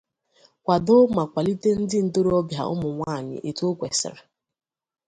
kwàdo ma kwàlite ndị ntorobịa na ụmụnwaanyị etu o kwesiri